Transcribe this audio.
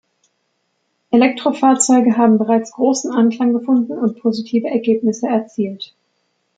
Elektrofahrzeuge haben bereits großen Anklang gefunden und positive Ergebnisse erzielt.